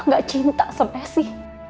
gak cinta sama esi